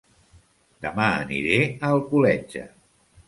Dema aniré a Alcoletge